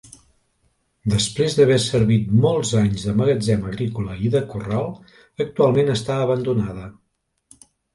Després d'haver servit molts anys de magatzem agrícola i de corral, actualment està abandonada.